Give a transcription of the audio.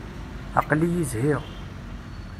Aql-iyi zhiɣ.